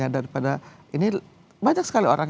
daripada ini banyak sekali orang